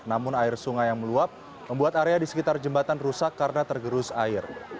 namun air sungai yang meluap membuat area di sekitar jembatan rusak karena tergerus air